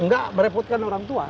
gak merepotkan orang tua